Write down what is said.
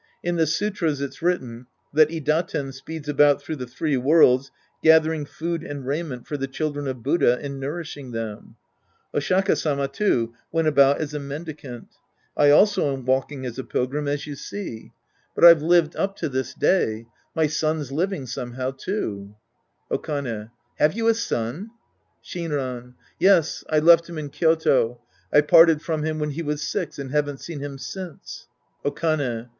In the sutras it's written that Idaten speeds about through the three worlds gathering food and raiment for the children of Buddha and nourishing them, Oshaka Sama, too, went about as a mendi cant. I also am walking as a pilgrim, as you see. Sc. II The Priest and His Disciples 55 But I've lived up to this day. My son's living, somehow, too. Okane. Have you a son ? Shinran. Yes. I left him in Kyoto. I parted from him when he was six and haven't seen him since. Okane.